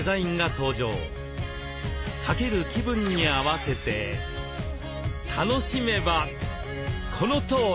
掛ける気分に合わせて楽しめばこのとおり！